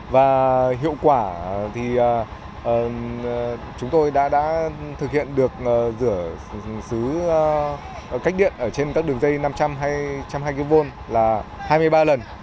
và hiệu quả thì chúng tôi đã thực hiện được rửa sứ cách điện trên các đường dây năm trăm hai mươi kv là hai mươi ba lần